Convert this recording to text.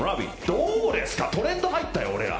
どうですか、トレンド入ったよ、俺ら。